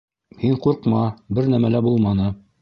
Һин ҡурҡма, бер нәмә лә булманы.